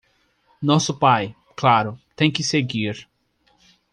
Nosso pai, claro, tem que seguir.